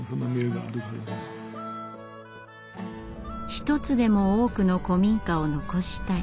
一つでも多くの古民家を残したい。